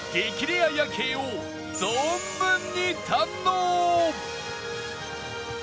レア夜景を存分に堪能！